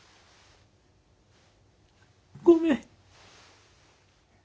ごめん。